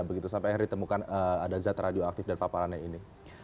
begitu sampai akhirnya ditemukan ada zat radioaktif dan paparannya ini